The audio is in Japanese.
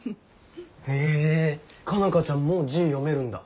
へえ佳奈花ちゃんもう字読めるんだ。